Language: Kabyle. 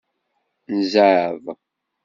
Nezɛeḍ.